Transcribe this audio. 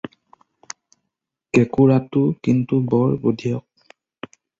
কেঁকোৰাটো কিন্তু বৰ বুধিয়ক।